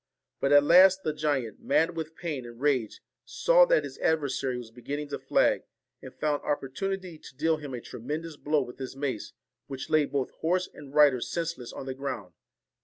But at last the giant, mad with pain and rage, saw that his adversary was beginning to flag, and found opportunity to deal him a tremendous blow with his mace, which laid both horse and rider senseless on the ground.